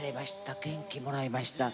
元気もらいました。